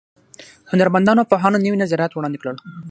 هنرمندانو او پوهانو نوي نظریات وړاندې کړل.